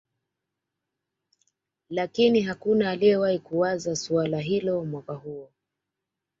Lakini hakuna aliyewahi kuwaza suala hilo Mwaka huo